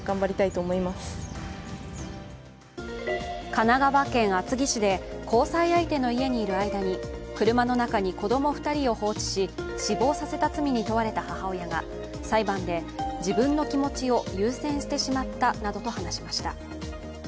神奈川県厚木市で交際相手の家にいる間に車の中に子供２人を放置し死亡させた罪に問われた母親が裁判で、自分の気持ちを優先してしまったなどと話しました。